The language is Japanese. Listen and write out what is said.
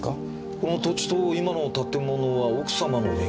この土地と今の建物は奥様の名義です。